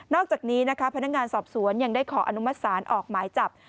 อกจากนี้นะคะพนักงานสอบสวนยังได้ขออนุมัติศาลออกหมายจับ